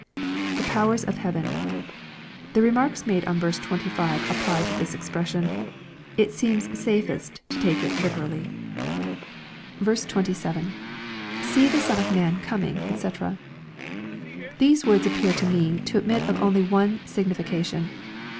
[The powers of heaven.] The remarks made on verse 25 apply to this expression. It seems safest to take it literally. 380 EXPOSITORY THOUGHTS. 27. — [See Ihe Son of man commg^ &c!\ These words appear to me to admit of only one signification.